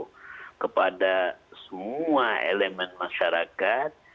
itu kepada semua elemen masyarakat